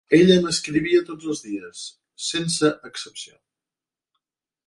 Ella m'escrivia tots els dies, sense excepció.